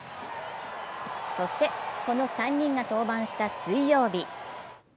そして、この３人が登板した水曜日。